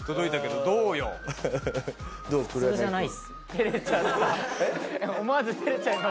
照れちゃった。